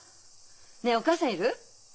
ねえお義母さんいる？